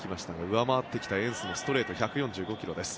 上回ってきたエンスのストレート１４５ｋｍです。